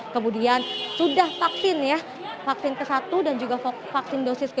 kemudian sudah vaksin ya vaksin ke satu dan juga vaksin dosis ke dua